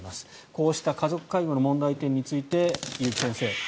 こうした家族介護の問題点について結城先生